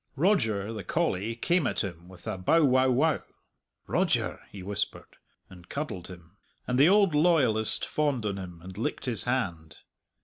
Roger, the collie, came at him with a bow wow wow. "Roger!" he whispered, and cuddled him, and the old loyalist fawned on him and licked his hand.